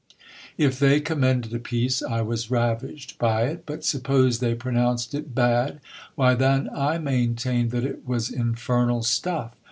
If they commended a piece, I was ravished by it : but suppose they pronounced it bad ? why, then I maintained that it was infernal stuff.